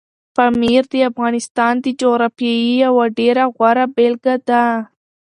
پامیر د افغانستان د جغرافیې یوه ډېره غوره بېلګه ده.